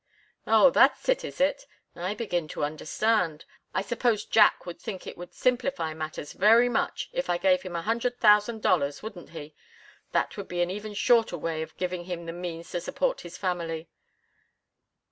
"Oh that's it, is it? I begin to understand. I suppose Jack would think it would simplify matters very much if I gave him a hundred thousand dollars, wouldn't he? That would be an even shorter way of giving him the means to support his family."